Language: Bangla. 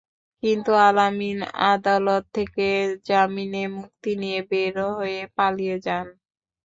কিন্তু আল-আমিন আদালত থেকে জামিনে মুক্তি নিয়ে বের হয়ে পালিয়ে যান।